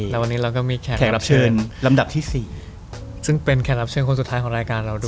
แล้ววันนี้เราก็มีแขกรับเชิญลำดับที่๔ซึ่งเป็นแขกรับเชิญคนสุดท้ายของรายการเราด้วย